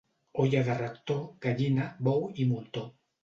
Olla de rector, gallina, bou i moltó.